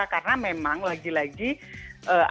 karena memang lagi lagi ada masalah